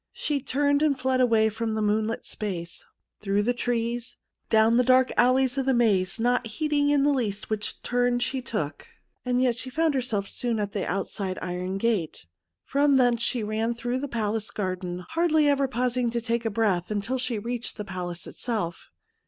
She turned and fled away from the moonlit space, through the trees, down the dark alleys of the maze, not heeding in the least which turn she took, and yet she found herself soon at the outside iron gate. From thence she ran through the palace garden, hardly ever pausing to take breath, until she reached the palace itself.